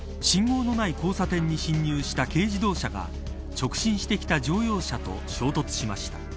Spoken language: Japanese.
信号のない交差点に進入した軽自動車が直進してきた乗用車と衝突しました。